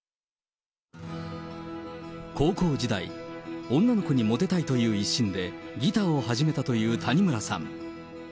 高校時代、女の子にもてたいという一心でギターを始めたという谷村さん。